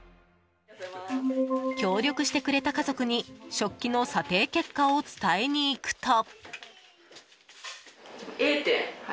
協力してくれた家族に食器の査定結果を伝えに行くと。